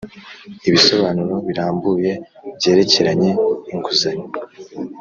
ibisobanuro birambuye byerekeranye inguzanyo